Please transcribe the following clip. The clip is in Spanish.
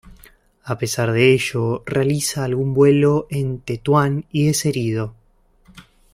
A pesar de ello realiza algún vuelo en Tetuán y es herido.